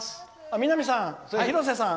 南さん、廣瀬さん